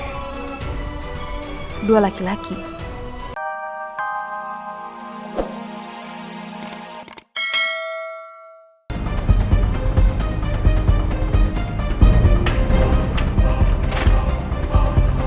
tadi saya mau lihat ada dua orang laki laki